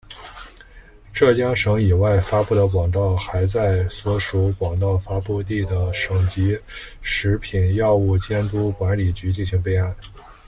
浙江省以外发布的广告还在所属广告发布地的省级食品药品监督管理局进行备案。